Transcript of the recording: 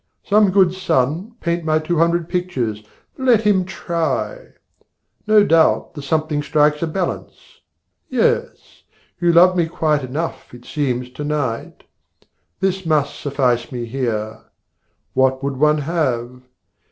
Some good son Paint my two hundred pictures let him try! No doubt, there's something strikes a balance. Yes, You loved me quite enough. it seems to night. This must suffice me here. What would one have?